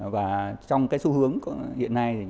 và trong cái xu hướng hiện nay